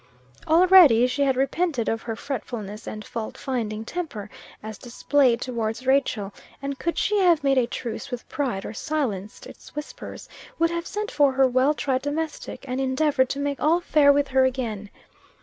Already she had repented of her fretfulness and fault finding temper, as displayed towards Rachel, and could she have made a truce with pride, or silenced its whispers, would have sent for her well tried domestic, and endeavored to make all fair with her again.